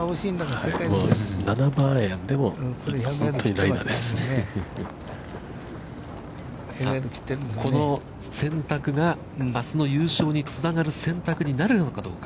さあ、この選択があすの優勝につながる選択になるのかどうか。